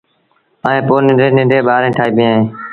ائيٚݩ پو ننڊيٚن ننڍيٚݩ ٻآريٚݩ ٺآئيٚبيٚن اهيݩ